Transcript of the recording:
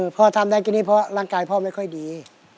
ทำได้แค่นี้เพราะร่างกายพ่อไม่ค่อยดี